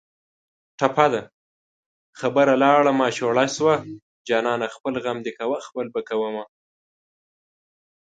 ټپه ده: خبره لاړه ماشوړه شوه جانانه خپل غم دې کوه خپل به کومه